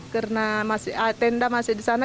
karena tenda masih di sana